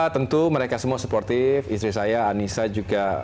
tentu mereka semua supporter istri saya anissa juga